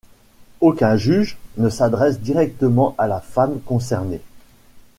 Aucun juge ne s'adresse directement à la femme concernée.